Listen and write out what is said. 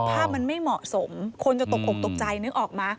ภาพมันไม่เหมาะสมคนจะตกอกตกใจนึกออกมั้